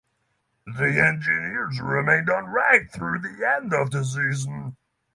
The Engineers remained unranked through the end of the season.